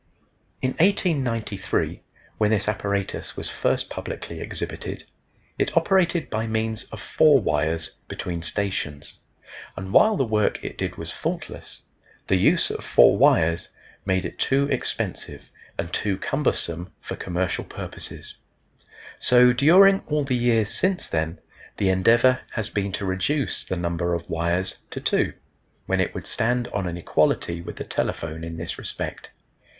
In 1893, when this apparatus was first publicly exhibited, it operated by means of four wires between stations, and while the work it did was faultless, the use of four wires made it too expensive and too cumbersome for commercial purposes; so during all the years since then the endeavor has been to reduce the number of wires to two, when it would stand on an equality with the telephone in this respect.